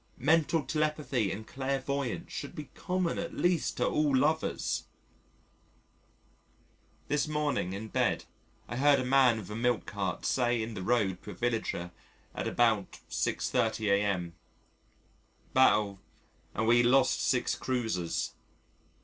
Mental telepathy and clairvoyance should be common at least to all lovers. This morning in bed I heard a man with a milkcart say in the road to a villager at about 6.30 a.m., "... battle ... and we lost six cruisers."